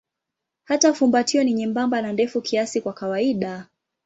Hata fumbatio ni nyembamba na ndefu kiasi kwa kawaida.